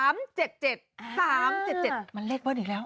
มันเลขบ้านอีกแล้ว